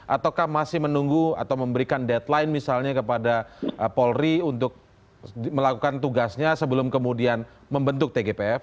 ataukah masih menunggu atau memberikan deadline misalnya kepada polri untuk melakukan tugasnya sebelum kemudian membentuk tgpf